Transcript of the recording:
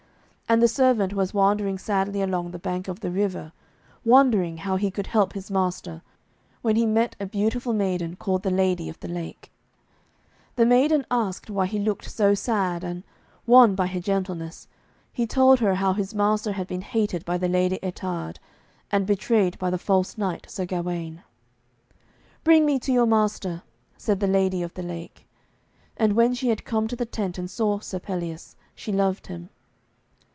And the servant was wandering sadly along the bank of the river, wondering how he could help his master, when he met a beautiful maiden called the 'Lady of the Lake.' The maiden asked why he looked so sad, and, won by her gentleness, he told her how his master had been hated by the Lady Ettarde, and betrayed by the false knight Sir Gawaine. 'Bring me to your master,' said the Lady of the Lake. And when she had come to the tent and saw Sir Pelleas, she loved him.